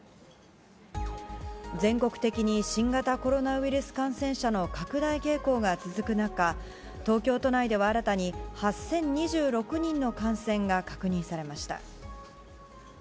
全国的に新型コロナウイルス感染者の拡大傾向が続く中、東京都内では新たに、８０２６人の感染が確認されました。